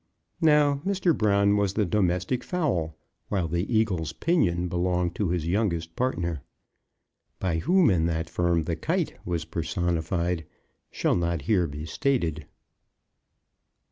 Now Mr. Brown was the domestic fowl, while the eagle's pinion belonged to his youngest partner. By whom in that firm the kite was personified, shall not here be stated.